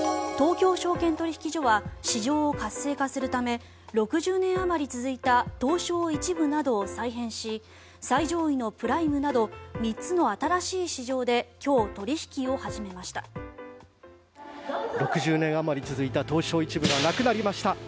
東京証券取引所は市場を活性化するため６０年あまり続いた東証１部などを再編し最上位のプライムなど３つの新しい市場で今日、取引を始めました。